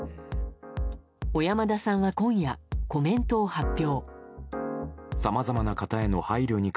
小山田さんは今夜コメントを発表。